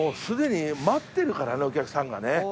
すでに待ってるからねお客さんがね。